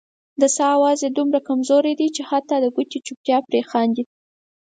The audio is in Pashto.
د ساه اواز یې دومره کمزوری دی چې حتا د کوټې چوپتیا پرې خاندي.